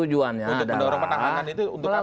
untuk mendorong penahanan itu untuk apa